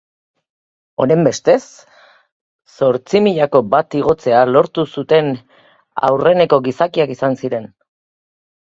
Honenbestez, zortzimilako bat igotzea lortu zuten aurreneko gizakiak izan ziren.